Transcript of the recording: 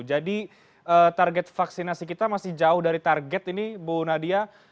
jadi target vaksinasi kita masih jauh dari target ini bu nadia